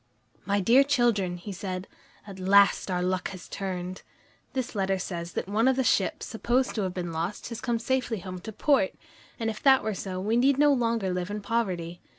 "My dear children," he said, "at last our luck has turned. This letter says that one of the ships supposed to have been lost has come safely home to port, and if that be so, we need no longer live in poverty.